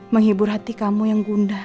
menghibur hati kamu yang gundah